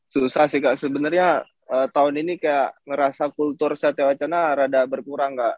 susah sih kak sebenarnya tahun ini kayak ngerasa kultur sate wacana rada berkurang kak